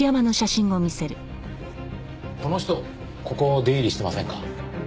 この人ここ出入りしてませんか？